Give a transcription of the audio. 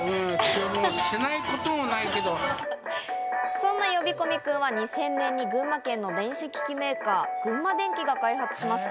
そんな呼び込み君は２０００年に群馬県の電子機器メーカー・群馬電機が開発しました。